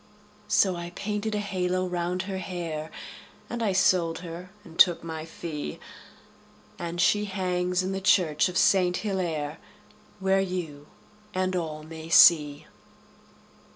So I painted a halo round her hair, And I sold her and took my fee, And she hangs in the church of Saint Hillaire, Where you and all may see.